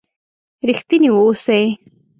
رښتيني و اوسئ!